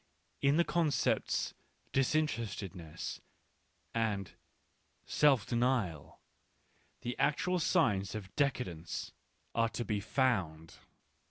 In the concepts "disinterested ness and "self denial," the actual signs of de cadence are to be found.